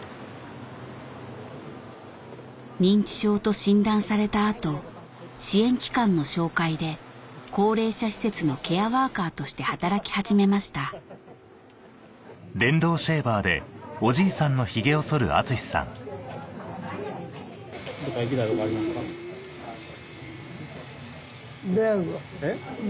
認知症と診断された後支援機関の紹介で高齢者施設のケアワーカーとして働き始めました琵琶湖。え？